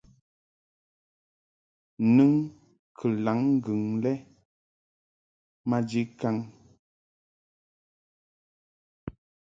Nɨŋ kalaŋŋgɨŋ lɛ maji kaŋ.